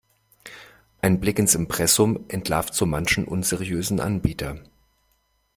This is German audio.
Ein Blick ins Impressum entlarvt so manchen unseriösen Anbieter.